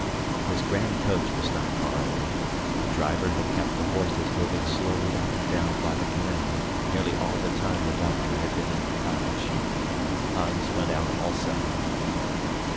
His grand coach was not far away; the driver had kept the horses moving slowly up and down by the canal nearly all the time the doctor had been in the cottage. Hans went out also.